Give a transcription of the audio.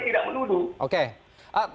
jadi saya tidak menuduh